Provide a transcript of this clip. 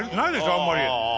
あんまり。